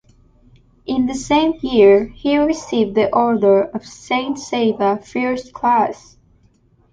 In the same year, he received the order of Saint Sava, first class.